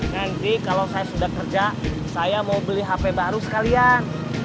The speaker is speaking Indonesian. henry kalau saya sudah kerja saya mau beli hp baru sekalian